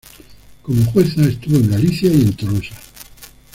Como jueza estuvo en Galicia y en Tolosa.